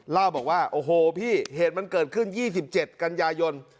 เล่าบอกว่าโอ้โหพี่เหตุมันเกิดขึ้น๒๗กันยายน